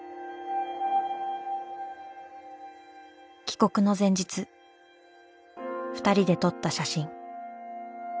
帰国の前日２人で撮った写真。